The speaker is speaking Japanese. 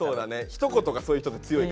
ひと言がそういう人って強いからね。